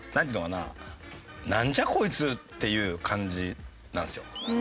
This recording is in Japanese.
なんじゃこいつ？っていう感じなんですよ。